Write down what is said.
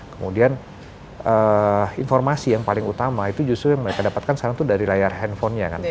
kemudian informasi yang paling utama itu justru yang mereka dapatkan sekarang itu dari layar handphonenya kan